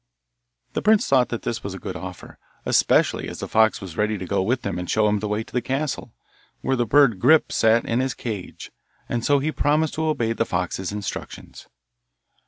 The prince thought that this was a good offer, especially as the fox was ready to go with him and show him the way to the castle, where the bird Grip sat in his cage, and so he promised to obey the fox's instructions.